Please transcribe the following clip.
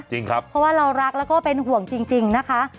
จริงครับเพราะว่าเรารักแล้วก็เป็นห่วงจริงนะคะ